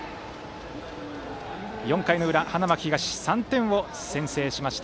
４回の裏、花巻東３点を先制しました。